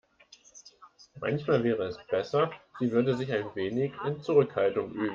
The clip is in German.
Manchmal wäre es besser, sie würde sich ein wenig in Zurückhaltung üben.